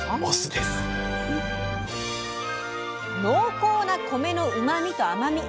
濃厚な米のうまみと甘み。